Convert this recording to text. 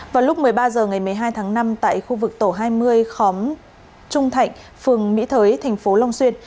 vào lúc một mươi ba giờ ngày một mươi hai tháng năm tại khu vực tổ hai mươi khóm trung thạnh phường mỹ thới tp long xuyên